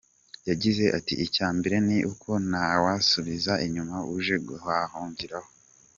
Yagize ati "Icya mbere ni uko ntawasubiza inyuma uje aguhungiraho.